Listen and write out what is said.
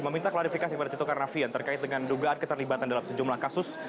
meminta klarifikasi kepada tito karnavian terkait dengan dugaan keterlibatan dalam sejumlah kasus